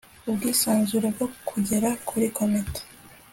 ubwisanzure bwo kugera kuri komite